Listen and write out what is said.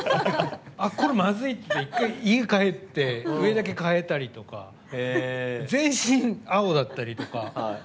これ、まずいって１回、家に帰って上だけ変えたりとか全身青だったりとか。